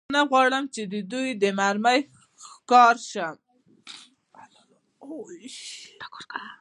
زه نه غواړم، چې د دوی د مرمۍ ښکار شم.